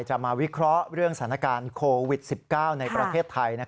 จะมาวิเคราะห์เรื่องสถานการณ์โควิด๑๙ในประเทศไทย